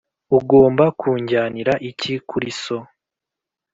Ugomba kunjyanira iki kuri so?